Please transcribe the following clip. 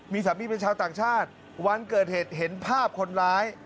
มีสามีเป็นชาวต่างชาติวันเกิดเหตุเห็นภาพคนร้าย